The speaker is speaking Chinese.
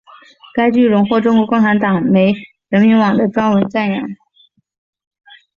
该剧荣获中国共产党党媒人民网的专文赞扬。